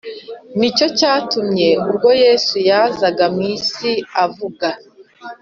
Ni cyo cyatumye ubwo Yesu yazaga mu isi avuga